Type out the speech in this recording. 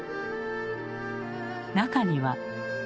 中には。